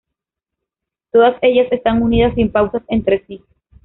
Todas ellas están unidas sin pausas entre sí.